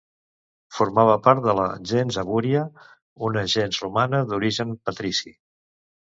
Formava part de la gens Abúria, una gens romana d'origen patrici.